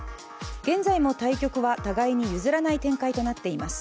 現在も対局は互いに譲らない展開となっています。